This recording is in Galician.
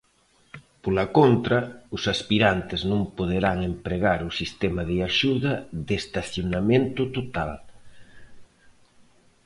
Pola contra, os aspirantes non poderán empregar o sistema de axuda de estacionamento total.